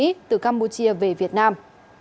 hạnh từ campuchia về việt nam